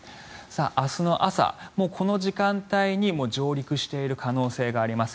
明日の朝、この時間帯に上陸している可能性があります。